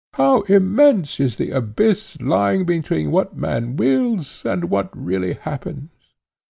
How immense is the abyss lying between what man wills and what really happens!